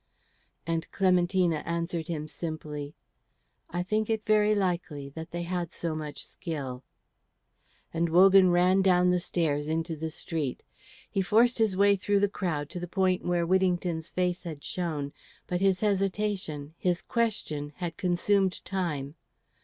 And Clementina answered him simply, "I think it very likely that they had so much skill;" and Wogan ran down the stairs into the street. He forced his way through the crowd to the point where Whittington's face had shown, but his hesitation, his question, had consumed time.